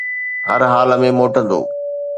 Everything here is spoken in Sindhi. هر حال ۾ موٽندو.